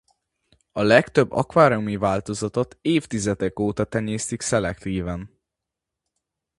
A legtöbb akváriumi változatot évtizedek óta tenyésztik szelektíven.